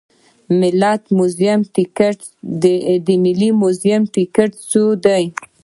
د ملي موزیم ټکټ څو دی؟